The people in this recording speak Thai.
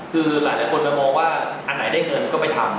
คือหลายคนมามองว่าอันไหนได้เงินก็ไปทำ